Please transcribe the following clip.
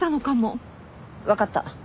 分かった。